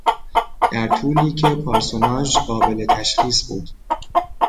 در طولی که پارسوناژ قابل تشخیص بود.